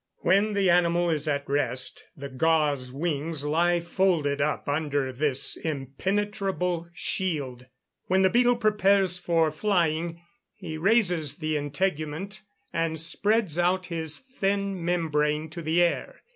When the animal is at rest, the gauze wings lie folded up under this impenetrable shield. When the beetle prepares for flying, he raises the integument, and spreads out his thin membrane to the air.